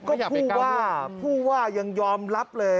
ก็พูดว่ายังยอมรับเลย